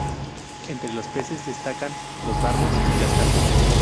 Entre los peces destacan los barbos y las carpas.